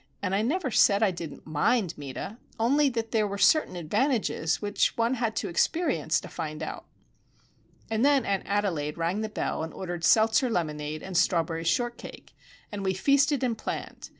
"And I never said I didn't mind, Meta;—only that there were certain advantages which one had to experience to find out." And then Aunt Adelaide rang the bell, and ordered seltzer lemonade and strawberry shortcake, and we feasted and planned.